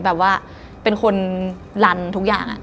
แบบว่าเป็นคนลันทุกอย่าง